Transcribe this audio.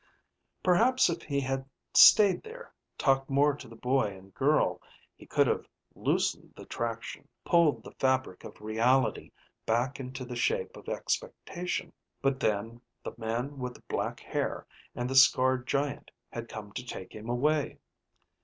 Perhaps if he had stayed there, talked more to the boy and girl, he could have loosened the traction, pulled the fabric of reality back into the shape of expectation. But then the man with the black hair and the scarred giant had come to take him away.